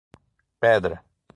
Pedra